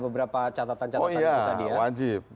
beberapa catatan catatan itu tadi ya oh ya wajib